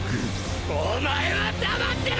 おまえは黙ってろ！